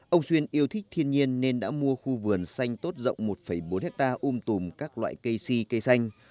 ông xuyên yêu thích thiên nhiên nên đã mua khu vườn xanh tốt rộng một bốn hectare um tùm các loại cây si cây xanh